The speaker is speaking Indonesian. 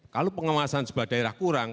kalau pengawasan sebuah daerah kurang